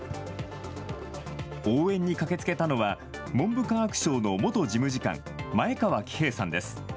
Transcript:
応援に駆けつけたのは文部科学省の元事務次官、前川喜平さんです。